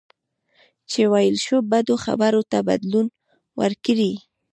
چې ویل شوو بدو خبرو ته بدلون ورکړئ.